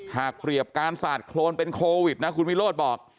หากเปรียบการสาดโครนเป็นโควิดนะคุณวิโรธบอก